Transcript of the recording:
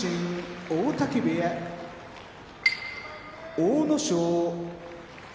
阿武咲